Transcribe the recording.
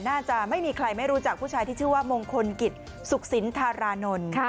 น่าจะไม่มีใครไม่รู้จักผู้ชายที่ชื่อว่ามงคลกิจสุขสินธารานนท์